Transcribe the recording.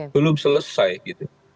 belum selesai gitu